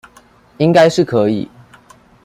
應該是可以